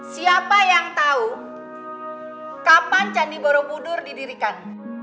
siapa yang tahu kapan candi borobudur didirikan